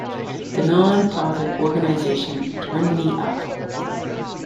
The nonprofit organization Turn Me Up!